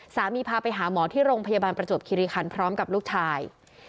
พาไปหาหมอที่โรงพยาบาลประจวบคิริคันพร้อมกับลูกชาย